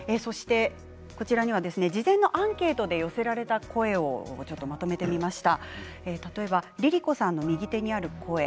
こちらには事前のアンケートで寄せられた声をまとめてみました。